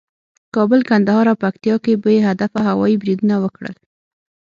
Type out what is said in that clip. کابل، کندهار او پکتیکا کې بې هدفه هوایي بریدونه وکړل